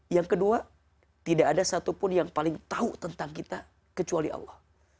yang kedua tidak ada satupun yang paling tahu tentang kita kecuali allah